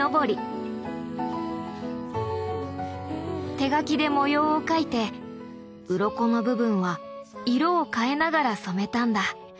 手書きで模様を描いてうろこの部分は色を変えながら染めたんだ。